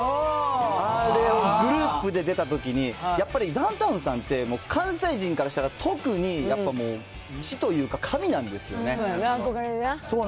あれ、グループで出たときに、やっぱりダウンタウンさんって、関西人からしたら特にやっぱりもう師というか、憧れな。